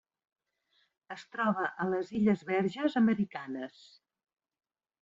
Es troba a les Illes Verges Americanes.